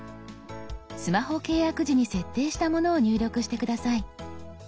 スマホ契約時に設定したものを入力して下さい。